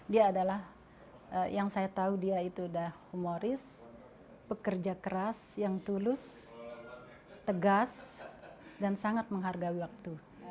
dia adalah yang saya tahu dia itu sudah humoris pekerja keras yang tulus tegas dan sangat menghargai waktu